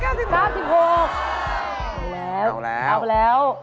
เอาแล้วเอาแล้ว